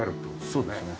そうですね。